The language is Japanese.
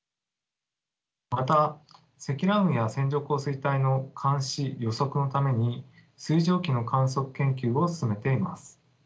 また積乱雲や線状降水帯の監視予測のために水蒸気の観測研究を進めています。